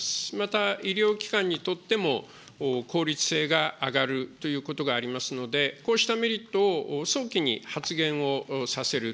また医療機関にとっても、効率性が上がるということがありますので、こうしたメリットを早期に発言をさせる。